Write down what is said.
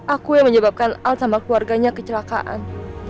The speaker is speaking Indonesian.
aku yang menyebabkan al sama keluarganya kecelakaan